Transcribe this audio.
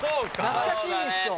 懐かしいでしょ？